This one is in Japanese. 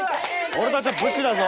俺たちは武士だぞ。